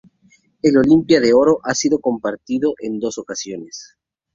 El Olimpia de Oro ha sido compartido, en dos ocasiones.